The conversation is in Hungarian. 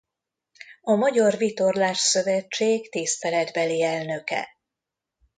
A Magyar Vitorlás Szövetség tiszteletbeli elnöke.